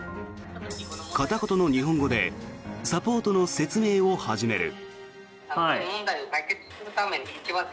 片言の日本語でサポートの説明を始める。